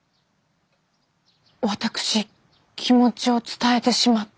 私気持ちを伝えてしまった。